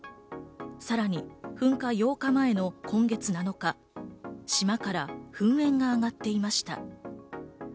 さらに噴火８日前の今月７日、島から噴煙が上がっていました。